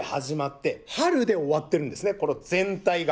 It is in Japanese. これこの全体が。